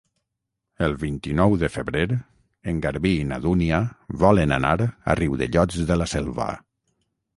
El vint-i-nou de febrer en Garbí i na Dúnia volen anar a Riudellots de la Selva.